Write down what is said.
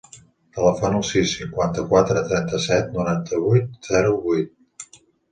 Telefona al sis, cinquanta-quatre, trenta-set, noranta-vuit, zero, vuit.